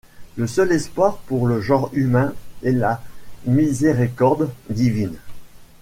Le seul espoir pour le genre humain est la miséricorde divine.